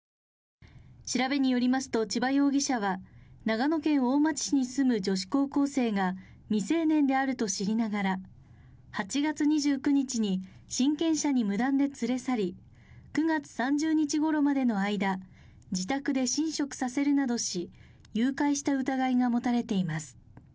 調べによりますと千葉容疑者は、長野県大町市に住む女子高校生が未成年であると知りながら８月２９日に親権者に無断で連れ去り、９月３０日ごろまでの間、自宅で寝食させるなどし誘拐した疑いがもたれています。